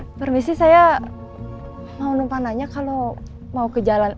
permisi saya mau numpa nanya kalau mau ke jalan